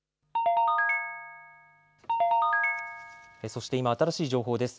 そして今、新しい情報です。